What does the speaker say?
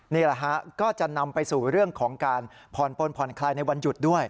นี่แหละฮะก็จะนำไปสู่เรื่องของการผ่อนปนผ่อนคลายในวันหยุดด้วย